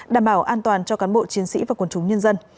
đảm bảo an toàn cho cán bộ chiến sĩ và quân chúng nhân dân